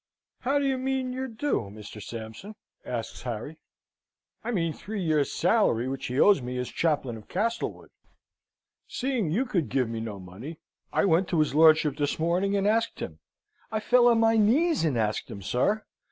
"How do you mean your due, Mr. Sampson?" asks Harry. "I mean three years' salary which he owes me as chaplain of Castlewood. Seeing you could give me no money, I went to his lordship this morning and asked him. I fell on my knees, and asked him, sir.